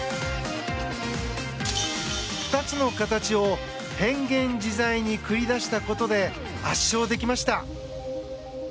２つの形を変幻自在に繰り出したことで圧勝できました。